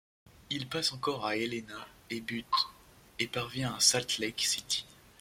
Il passe encore à Helena et Butte et parvient à Salt Lake City.